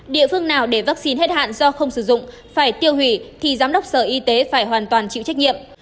địa phương nào để vaccine hết hạn do không sử dụng phải tiêu hủy thì giám đốc sở y tế phải hoàn toàn chịu trách nhiệm